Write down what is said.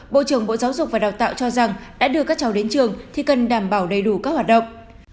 bộ trưởng bộ giáo dục và đào tạo cho rằng đã đưa các cháu đến trường thì cần đảm bảo đầy đủ các hoạt động